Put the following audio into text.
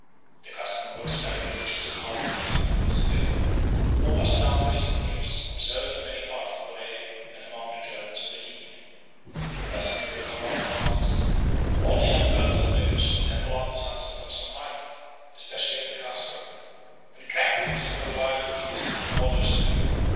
The custom of expelling the witches on Walpurgis Night is still, or was down to recent years, observed in many parts of Bavaria and among the Germans of Bohemia. Thus in the Böhmer wald Mountains all the young fellows of the village assemble after sunset on some height, especially at a cross road, and crack whips for a while in unison with all their strength.